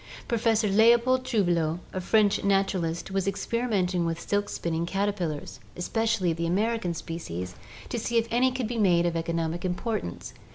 Professor Leopold Trouvelot, a French naturalist, was experimenting with silk spinning caterpillars, especially the American species, to see if any could be made of economic importance.